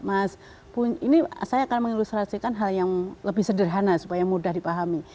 mas ini saya akan mengilustrasikan hal yang lebih sederhana supaya mudah dipahami